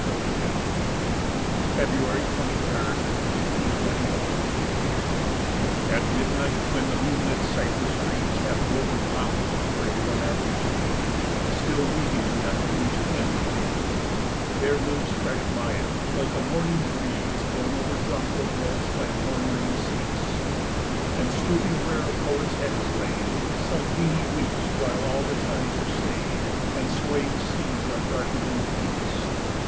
For the Anniversary of John Keats' Death (February 23, 1821) At midnight when the moonlit cypress trees Have woven round his grave a magic shade, Still weeping the unfinished hymn he made, There moves fresh Maia like a morning breeze Blown over jonquil beds when warm rains cease. And stooping where her poet's head is laid, Selene weeps while all the tides are stayed And swaying seas are darkened into peace.